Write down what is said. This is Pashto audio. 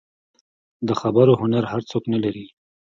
د خبرو هنر هر څوک نه لري.